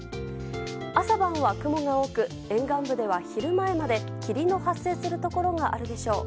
朝晩は雲が多く沿岸部では昼前まで霧の発生するところがあるでしょう。